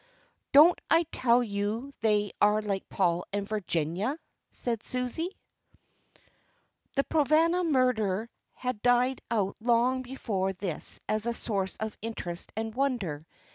"Don't I tell you they are like Paul and Virginia?" said Susie. The Provana murder had died out long before this as a source of interest and wonder.